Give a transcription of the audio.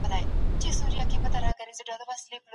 که ته یوازي په خپل استعداد ډاډه وې نو تاوان کوې.